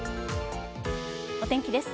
お天気です。